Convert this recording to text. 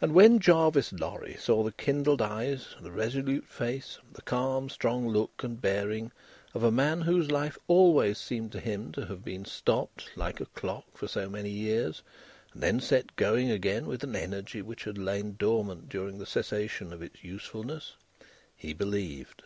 And when Jarvis Lorry saw the kindled eyes, the resolute face, the calm strong look and bearing of the man whose life always seemed to him to have been stopped, like a clock, for so many years, and then set going again with an energy which had lain dormant during the cessation of its usefulness, he believed.